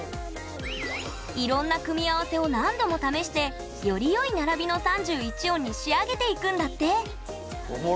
いろんな組み合わせを何度も試してよりよい並びの３１音に仕上げていくんだって！